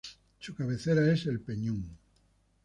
Su cabecera es El Peñón.